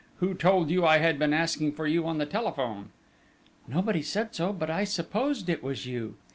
Who told you I had been asking for you on the telephone?" "Nobody said so; but I supposed it was you!